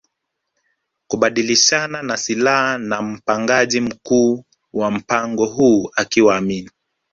kubadilishana na silaha na mpangaji mkuu wa mpango huu akiwa Amin